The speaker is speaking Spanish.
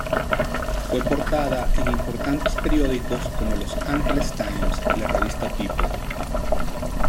Fue portada en importantes periódicos como Los Angeles Times y la revista People.